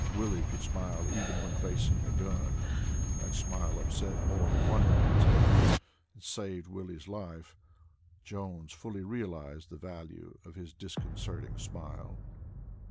Willie could smile even when facing a gun. That smile had upset more than one man's aim and saved Willie's life. Jones fully realized the value of his disconcerting smile.